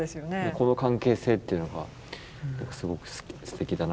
この関係性っていうのがすごくすてきだなと思います。